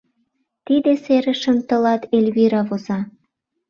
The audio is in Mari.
— Тиде серышым тылат Эльвира воза.